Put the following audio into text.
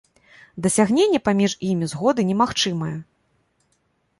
Дасягненне паміж імі згоды немагчымае.